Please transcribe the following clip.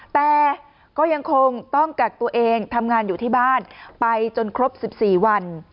แต่ก็ยังคงต้องกักตัวเองทำงานอยู่ที่บ้านไปจนครบ๑๔วัน